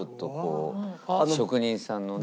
職人さんのね。